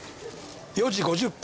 ４時５０分。